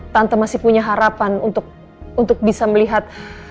tante masih punya harapan untuk bisa melihat